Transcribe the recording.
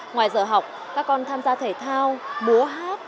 ngoài giờ học các con tham gia thể thao búa hát